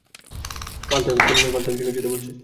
ফালতু এক জায়গায় যেতে বলছে।